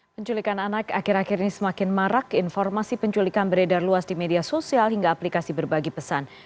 penculikan anak akhir akhir ini semakin marak informasi penculikan beredar luas di media sosial hingga aplikasi berbagi pesan